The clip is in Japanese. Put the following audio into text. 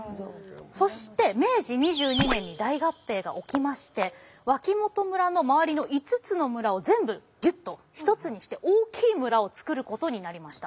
そして明治２２年に大合併が起きまして脇本村の周りの５つの村を全部ギュッと一つにして大きい村を作ることになりました。